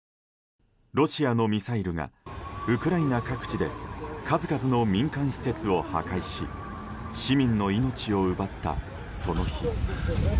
ロシアのミサイルがウクライナ各地で数々の民間施設を破壊し市民の命を奪ったその日。